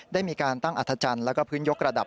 ได้มีการตั้งอัธจันทร์แล้วก็พื้นยกระดับ